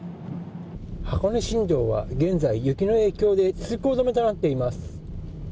箱根新道は現在、雪の影響で通行止めとなっています。